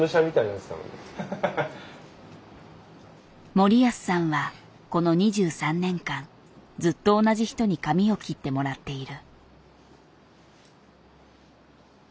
森保さんはこの２３年間ずっと同じ人に髪を切ってもらっている。